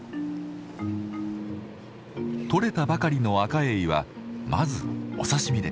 獲れたばかりのアカエイはまずお刺身で。